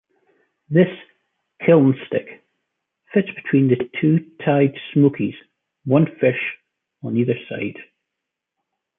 This "kiln stick" fits between the two tied smokies, one fish on either side.